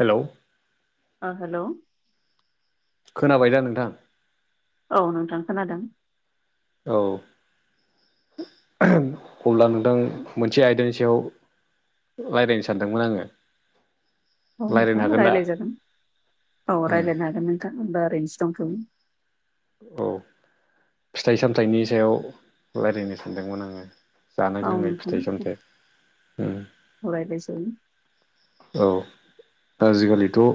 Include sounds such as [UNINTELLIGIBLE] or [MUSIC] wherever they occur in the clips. हेल' ओ हेल' खोनाबाय दा नोंथां? औ नोंथां खोनादों। औ अब्ला नोंथां मोनसे आयदानि सायाव रायज्लायनो सानदोंमोन आङो। औ रायज्लायनो नोंथाङा हागोन दा रायज्लाय जागोन औ उम रायज्लायनो हागोन नोंथां होनोमबा ओरैनोसो दंथयो। औ फिथाइ सामथायाइनि सायाव रायज्लायनो सानदोंमोन आङो। जानाय औ लोंनाय फिथाइ सामथाइ ओम। अरायज्लाय जायो। औ आजिखालिथ'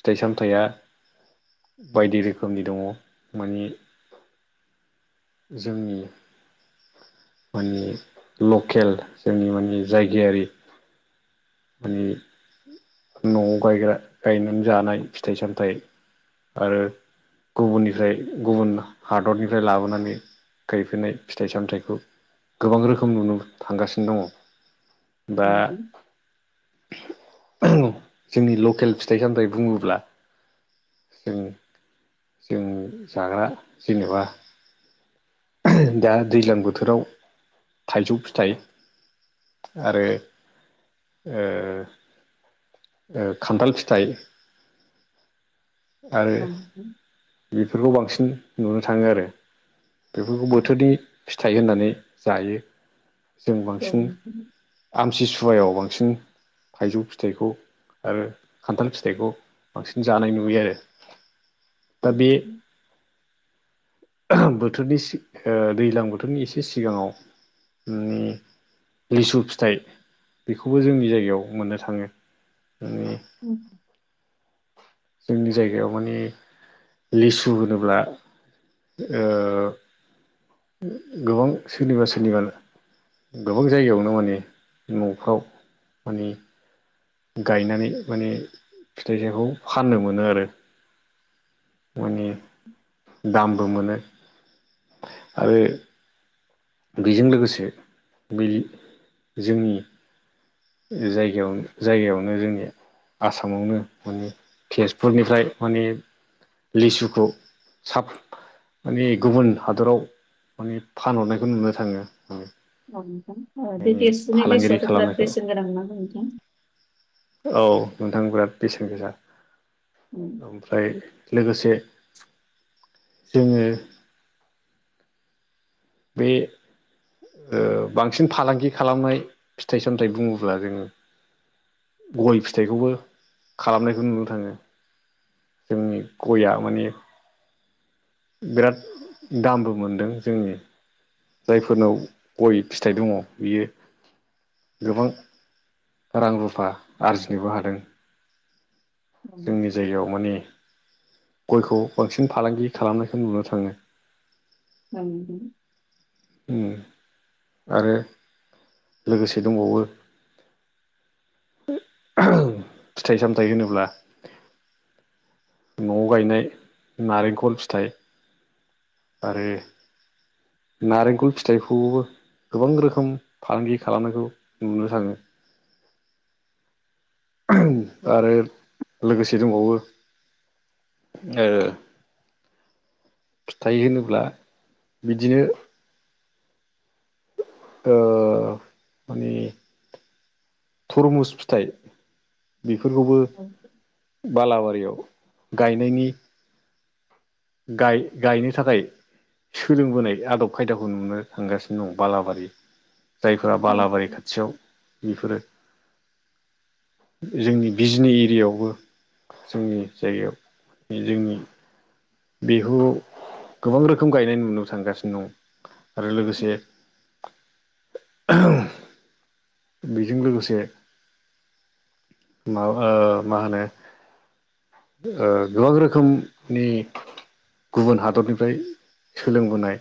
फिथाइ सामथाइया बायदि रोखोमनि दङ मानि जोंनि। मानि लकेल जोंनि मानि जायगायारि मानि न'आव गायग्रा गायनानै जानाय फिथाइ सामथायाइ आरो गुबुननिफ्राय गुबुन हादरनिफ्राय लाबोनानै गायफैनाय फिथाइ सामथाइखौ गोबां रोखोम नुनो थांगासिनो दङ। दा नंगौ। जोंनि लकेल फिथाइ सामथाय बुङोब्ला जों जों जाग्रा जेनेबा दा दैज्लां बोथोराव थाइजौ फिथाइ आरो ओ खान्थाल फिथाइ, आरो औ। बेफोरखौ बांसिन नुनो थाङो आरो बेफोरखौ औ बोथोरनि। फिथाइ होननानै जायो जों औ बांसिन। नोंथां आमसिसुवायाव बांसिन थाइजौ फिथाइखौ आरो खान्थाल फिथाइखौ बांसिन जानाय नुयो आरो। दा बे बोथोरनि सि ओ दैज्लां बोथोरनि एसे सिगाङाव मानि लिसु फिथाइ बेखौबो जोंनि जायगायाव मोननो थाङो। मानि उम। जोंनि जायगायाव मानि लिसु होनोब्ला ओ गोबां सोरनिबा सोरनिबा गोबां जायगायावनो माने न'फ्राव माने गायनानै माने फिथाइ थाइखौ फाननो मोनो आरो। मानि दामबो मोनो। आरो बेजों लोगोसे बे जोंनि जायगायाव जायगायावनो जोंनि आसामावनो माने तेजपुरनिफ्राय माने लिसुखौ साब माने गुबुन हादराव मानि फानहरनायखौ नुनो थाङो। औ नोंथां। ओ बे माने दसुनि फालांगिरि गोसोआथ' बिराद खालामनायखौ बेसेन गोनां ना नोंथां? औ नोंथां बिराद बेसेन गोसा। उम ओमफ्राय लोगोसे जोङो बे बांसिन फालांगि खालामनाय फिथाइ सामथाइ बुङोब्ला जोङो गय फिथाइखौबो खालामनायखौ नुनो थाङो। जोंनि गया माने बिराद दामबो मोनदों। जोंनि जायफोरनाव गय फिथाइ दङ बियो। गोबां रां रुफा आरजिनोबो हादों। ओं जोंनि जायगायाव माने गयखौ बांसिन फालांगि खालामनायखौ नुनो थाङो। औ नोंथां। ओम आरो लोगोसे दंबावो फिथाइ सामथाइ होनोब्ला न'आव गायनाय नारेंखल फिथाइ आरो नारेंखल फिथाइखौबो गोबां रोखोम फालांगि खालामनायखौ नुनो थाङो। आरो लोगोसे दंबावो। ओ फिथाइ होनोब्ला बिदिनो ओ माने थरमुस फिथाइ बेफोरखौबो बालाबारियाव गायनायनि गाय-गायनो थाखाय सोलोंबोनाय आदब खायदाखौ नुनो थांगासिनो दं बालाबारि जायफोरा बालाबारि खाथियाव बेफोरो जोंनि बिजनि एरियायावबो जोंनि जायगायाव जोंनि बेह गोबां रोखोम गायनाय नुनो थांगासिनो दं। आरो लोगोसे बेजों लोगोसे मा मा होनो ओ गोबां रोखोमनि गुबुन हादरनिफ्राय सोलोंबोनाय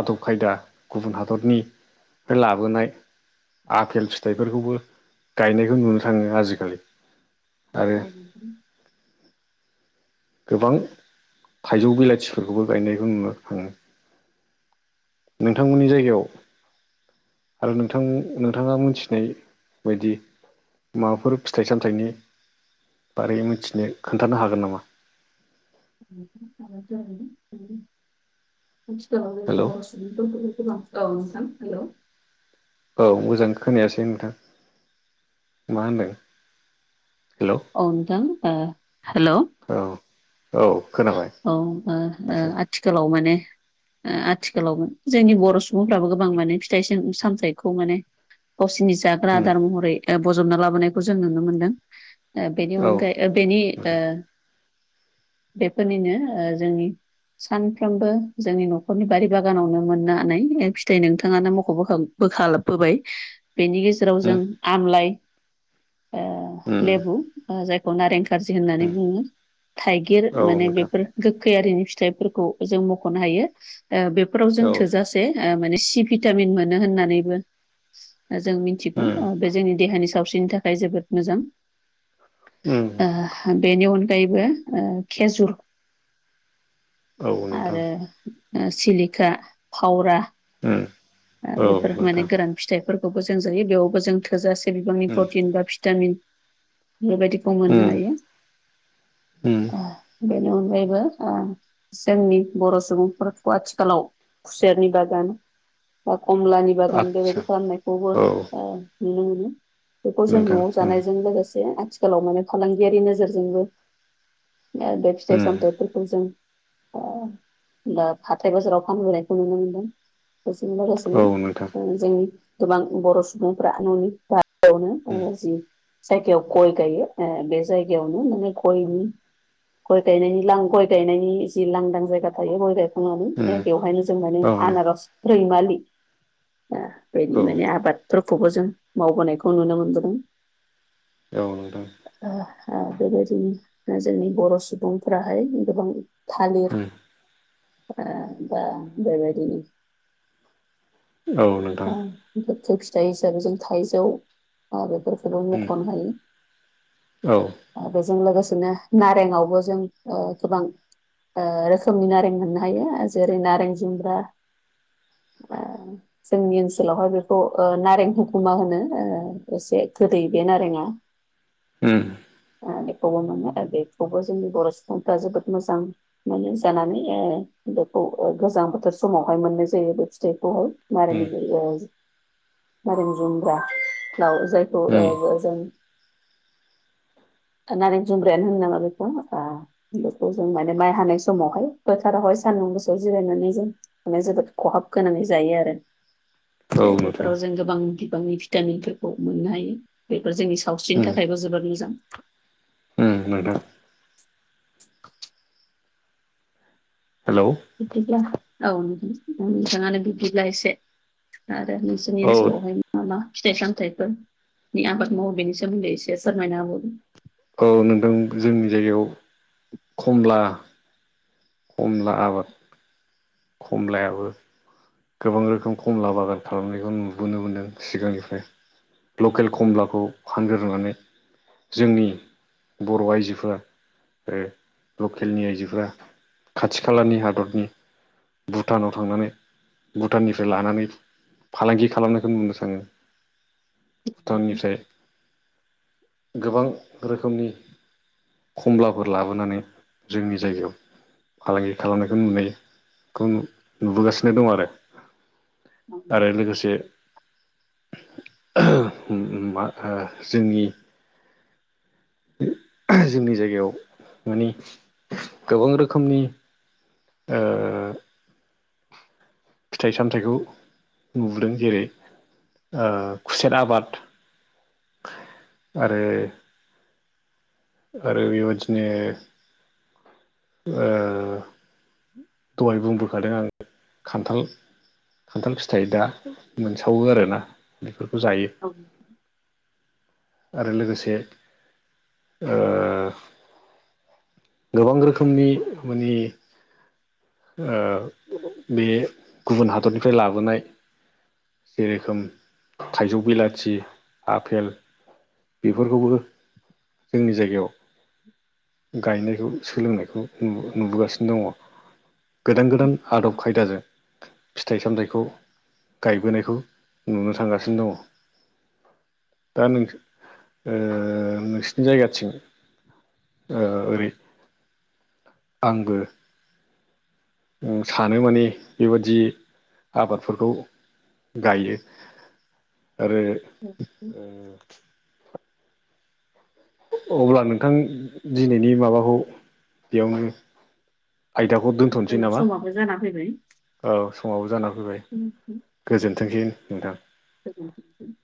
आदब खायदा गुबुन हादरनिफ्राय लाबोनाय आफेल फिथाइफोरखौबो गायनायखौ नुनो थाङो आजिखालि आरो गोबां थाइजौ बिलाथिफोरखौबो गायनायखौ नुनो थाङो। नोंथांमोननि जायगायाव आरो नोंथां नोंथाङा मोनथिनाय बायदि माबाफोर फिथाइ सामथाइनि बारै मिथिनो खोन्थानो हागोन नामा। [UNINTELLIGIBLE] [UNINTELLIGIBLE] औ हेल' औ नोंथां हेलौ औ मोजां खोनायासै नोंथां मा होनदों हेलौ। औ नोंथां ओ हेलौ। औ औ खोनाबाय औ ओ ओ दासो आथिखालाव माने ओ आथिखालाव जोंनि बर' सुबुंफ्राबो गोबां माने फिथाइ सामथायाइखौ माने गावसिनि जाग्रा उम आदार महरै ओ बजबना लाबोनायखौ जों नुनो मोनदों ओ बेनि औ अनगायै ओ बेनि ओ नोंथां बेफोरनिनो ओ जोंनि सानफ्रोमबो जोंनि न'खरनि बारि बागानावनो मोननो हनानै ओ फिथाइ नोंथाङानो मख'बोखां बोखाबोबाय बेनि गेजेराव उम जों आमलाइ ओ उम लेबु जायखौ नारें कारजि उम होननानै बुङो थाइगिर औ माने नोंथां बेफोर गोखैयिआरिनि फिथाइफोरखौ जों मख'नो हायो बेफोराव जों औ थोजासे माने सि भिटामिन मोनो होननानैबो ओ जों मिथिगौ उम ओ बे जोंनि देहानि सावस्रिनि थाखाय जोबोद मोजां। उम ओ बेनि अनगायैबो ओ खेजुर औ नोंथां आरो ओ सिलिखा फावरा उम ओ औ बेफोर माने नोंथां गोरोन फिथाइफोरखौबो जों जायो बेयावबो जों थोजासे बिबांनि उम प्रटिन बा भिटामिन बेबायदिखौ मोननो उम हायो‌। उम ओ बेनि अनगायैबो ओ जोंनि बर' सुबुंफोरखौ आथिखालाव खुसेरनि बागान बा कमलानि बागान आदसा बेबायदि खालामनायखौबो औ ओ नुनो मोनो बेखौ जों नोंथां न'आव उम जानायजों लोगोसे आथिखालाव माने फालांगियारि नोजोरजोंबो बे फिथाइ उम सामथाइफोरखौ जों अ होमबा हाथाय बाजाराव फानबोनायखौ नुनो मोनदों। बेजों लोगोसेनो औ नोंथां ओ जोंनि गोबां बर' सुबुंफोरा न'नि बा [UNINTELLIGIBLE] उम जि जायगायाव गय गायो ओ बे जायगायावनो माने गयनि गय गायनायनि लां गय गायनायनि जि लांदां जायगा थायो गय गायखांनानै उम बेवहायनो जों माने आनारस रैमालि ओ बेनि औ माने आबादफोरखौबो जों मावबोनायखौ नुनो मोनबोदों। औ नोंथां। ओ हो बेबायदिनि जोंनि बर' सुबुंफोराहाय गोबां थालिर उम ओ बा बेबायदि औ नोंथां गोखै फिथाइ हिसाबै जों थाइजौ बा बेफोरखौ उम मख'नो हायो। औ। ओ बेजों लोगोसेनो नारेंआवबो जों ओ गोबां ओ रोखोमनि नारें मोननो हायो जेरै नारें जुम्ब्रा। [INAUDIBLE] जोंनि ओनसोलावहाय बेखौ ओ नारें होखुमा होनो ओ एसे गोदै बे नारेंआ। [INAUDIBLE] ओ बेखौबो मोनो बेखौबो जोंनि बर' सुबुंफ्रा जोबोद मोजां। माने जानानै ओ बेखौ गोजां बोथोर समावहाय मोननाय जायो बे फिथाइखौहाय। उम [UNINTELLIGIBLE] [INAUDIBLE] नारें जुमब्रा [UNINTELLIGIBLE] जायखौ उम ओ जों नारें जुमब्रायानो‌ होनो नामा बेखौ ओ बेखौ जों माने माइ हानाय समावहाय फोथारावहाय सान्दुं गोसोआव जिरायनानै जों माने जोबोद खहाब गोनांङै जायो आरो औ नोंथां बेफोराव जों गोबां बिबांनि फि भिटामिनफोरखौ मोननो हायो बेफोर जोंनि सावस्रिनि उम थाखायबो जोबोद मोजां। उम नोंथां। हेलौ। बिदिब्ला औ न नोंथाङानो बिदिब्ला एसे आरो नोंसोरनि औ ओनसोलावहाय मा मा फिथाइ सामथाइफोर नि आबाद मावो बेनि सोमोन्दै एसे सोरमायना होबावदो। औ नोंथां जोंनि जायगायाव कमला कमला आबाद कमलायाबो गोबां रोखोम कमला बागान खालामनायखौ नुबोनो मोन्दों सिगांनिफ्राय। लकेल कमलाखौ फानग्रोनानै जोंनि बर' आइजोफोरा ओ लकेलनि आइजोफोरा खाथि खालानि हादरनि भुटानाव थांनानै भुटाननिफ्राय लानानै फालांगि खालामनायखौ नुनो थाङो। होबावदो। भुटाननिफ्राय गोबां रोखोमनि कमलाफोर लाबोनानै जोंनि जायगायाव फालांगि खालामनायखौ नुनाय खौ नुबोगासिनो दं आरो। आरो लोगोसे [UNINTELLIGIBLE] मा जोंनि जोंनि जायगायाव माने गोबां रोखोमनि ओ फिथाइ सामथाइखौ नुबोदों जेरै ओ खुसेर आबाद आरो आरो बेबादिनो ओ दहाय बुंबोखादों आं खान्थाल खान्थाल फिथाइ दा मोनसावो आरो ना, बेफोरखौ जायो। [INAUDIBLE] आरो लोगोसे ओ गोबां रोखोमनि माने ओ बे गुबुन हादरनिफ्राय लाबोनाय जेरोखोम थाइजौ बिलाथि आफेल बेफोरखौबो जोंनि जायगायाव गायनायखौ सोलोंनायखौ नु नुबोगासिनो दङ गोदान गोदान आदब खायदाजों फिथाइ सामथायाइखौ गायबोनायखौ नुनो थांगासिनो दङ दा नों ओ नोंसिनि जायगाथिं, ओ ओरै आंबो सानो माने बेबादि आबादफोरखौ गायो आरो ओ अब्ला नोंथां दिनैनि माबाखौ बेयावनो आयदाखौ दोन्थ'नोसै जोंना नामा! समाबो जाना फैबाय। औ समावबो जाना फैबाय गोजोनथोंसै नोंथां [UNINTELLIGIBLE]